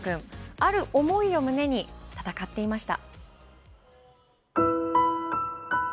ある思いを胸に戦っていました。